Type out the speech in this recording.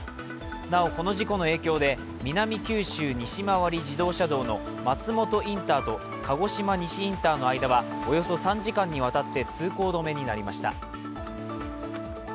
なお、この事故の影響で南九州西回り自動車道の松元インターと鹿児島西インターの間はおよそ３時間にわたって通行止めになりました。